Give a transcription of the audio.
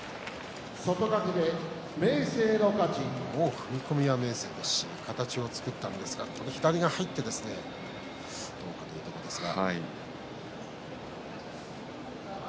踏み込みは明生が形を作ったんですが左が入ってどうかというところでした。